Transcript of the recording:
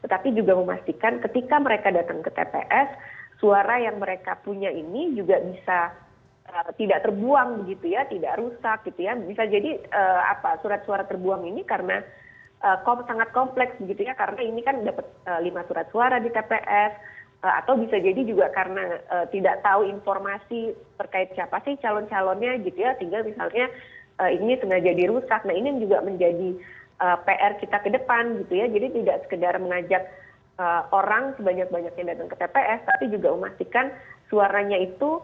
tapi sebelum hari h sampai tps ditutup ya